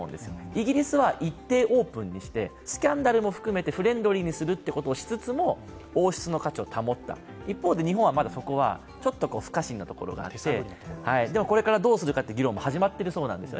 イギリスは一定オープンにして、スキャンダルも含めてフレンドリーにするということをしつつも、王室の価値を保った一方で日本はまだそこは不可侵なところがあってこれからどうするかの議論も始めているそうなんです。